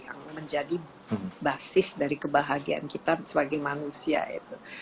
yang menjadi basis dari kebahagiaan kita sebagai manusia itu